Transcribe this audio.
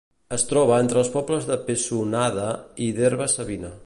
Es troba entre els pobles de Pessonada i d'Herba-savina.